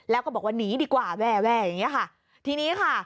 แล้วก็บอกว่าหนีดีกว่าแว่อย่างเงี้ค่ะทีนี้ค่ะ